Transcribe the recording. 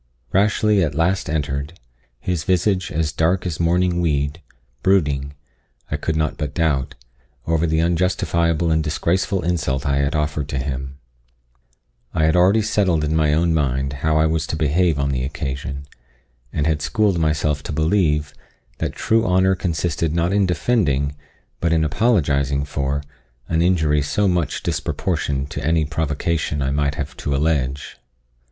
Rashleigh at last entered, his visage as dark as mourning weed brooding, I could not but doubt, over the unjustifiable and disgraceful insult I had offered to him. I had already settled in my own mind how I was to behave on the occasion, and had schooled myself to believe, that true honour consisted not in defending, but in apologising for, an injury so much disproportioned to any provocation I might have to allege.